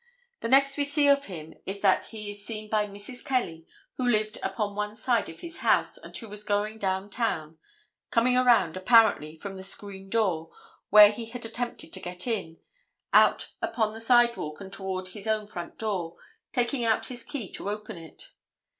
The next we see of him is that he is seen by Mrs. Kelly, who lived upon one side of his house, and who was going down town, coming around, apparently, from the screen door, where he had attempted to get in, out upon the sidewalk and toward his own front door, taking out his key to open it.